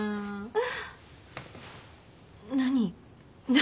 何？